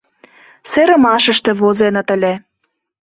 Серымашыште возеныт ыле.